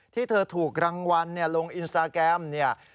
ที่เธอถูกรางวัลลงอินสตาแกรมเนี่ย